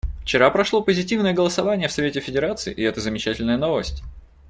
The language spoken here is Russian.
Вчера прошло позитивное голосование в Совете Федерации, и это замечательная новость.